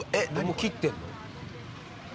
もう切ってんの？